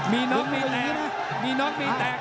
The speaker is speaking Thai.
มีน็อคมีแตกเอาเข้าเขียวแจ้ง